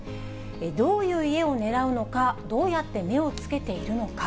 どういう家を狙うのか、どうやって目をつけているのか。